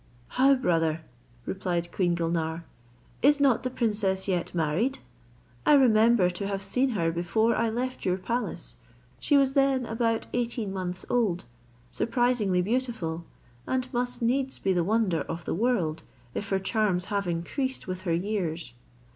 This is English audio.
"How! brother," replied Queen Gulnare, "is not the princess yet married? I remember to have seen her before I left your palace; she was then about eighteen months old, surprisingly beautiful, and must needs be the wonder of the world, if her charms have increased with her years.